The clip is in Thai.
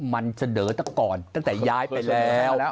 มันเสนอแต่ก่อนตั้งแต่ย้ายไปแล้ว